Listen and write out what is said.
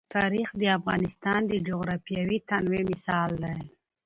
تاریخ د افغانستان د جغرافیوي تنوع مثال دی.